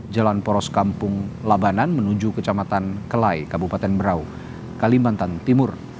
jalan poros kampung labanan menuju kecamatan kelai kabupaten berau kalimantan timur